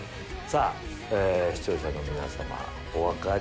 さぁ視聴者の皆様。